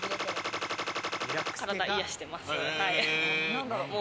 体、癒やしてます。